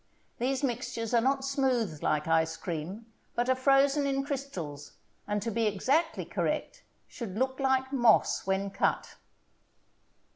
These mixtures are not smooth like ice cream, but are frozen in crystals and to be exactly correct, should look like moss when cut.